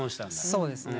そうですね。